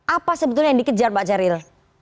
apa sebetulnya yang dikejar mbak ceril